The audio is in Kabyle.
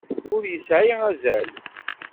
Ur yesεi azal.